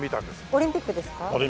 オリンピックですか？